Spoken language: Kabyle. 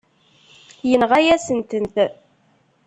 Yenɣa-yasen-tent.